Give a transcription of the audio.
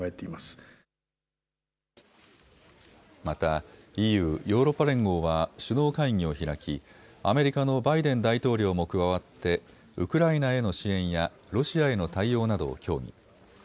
またＥＵ・ヨーロッパ連合は首脳会議を開きアメリカのバイデン大統領も加わってウクライナへの支援やロシアへの対応などを協議。